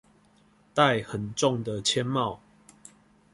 戴很重的鉛帽